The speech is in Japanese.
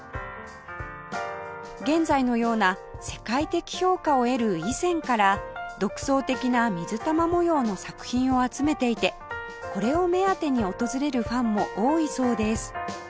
現在のような世界的評価を得る以前から独創的な水玉模様の作品を集めていてこれを目当てに訪れるファンも多いそうです